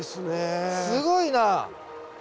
すごいな。